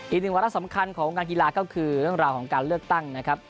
อีกหนึ่งวาระสำคัญของวงการกีฬาก็คือเรื่องราวของการเลือกตั้งนะครับ